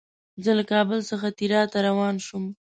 زه له کابل څخه تیراه ته روان شوم.